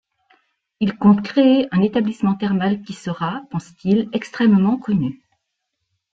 Il compte créer un établissement thermal qui sera, pense-t-il, extrêmement connu.